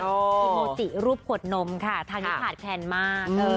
โฮจิรูปขวดนมค่ะทางที่ขาดแขนมาก